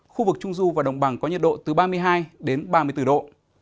khu vực trung du và đồng bằng có nhiệt độ từ ba mươi hai đến ba mươi bốn độ